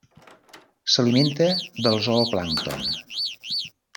S'alimenta de zooplàncton.